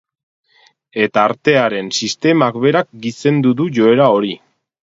Eta artearen sistemak berak gizendu du joera hori.